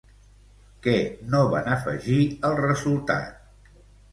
Què no van afegir al resultat?